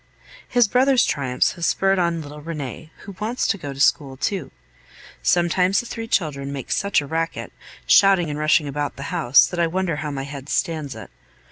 His brother's triumphs have spurred on little Rene, who wants to go to school too. Sometimes the three children make such a racket, shouting and rushing about the house, that I wonder how my head stands it.